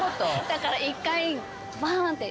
だから１回バーンって。